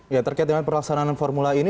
ya terkait dengan pelaksanaan formula e ini